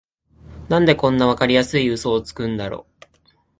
なんでこんなわかりやすいウソつくんだろ